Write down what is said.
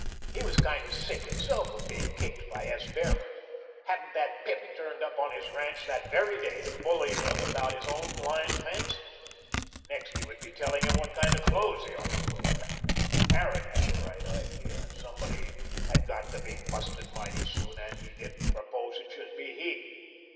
He was kind of sick himself of being kicked by S. Behrman. Hadn't that pip turned up on his ranch that very day to bully him about his own line fence? Next he would be telling him what kind of clothes he ought to wear. Harran had the right idea. Somebody had got to be busted mighty soon now and he didn't propose that it should be he.